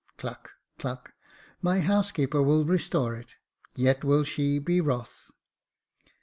{Cluck, cluck.^ My housekeeper will restore it; yet will she be wroth.